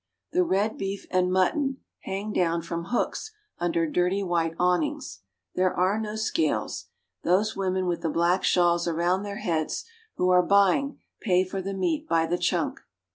The red beef and mutton hang down from We stop at the market. hooks under dirty white awnings. There are no scales. Those women with the black shawls around their heads, who are buying, pay for the meat by the chunk.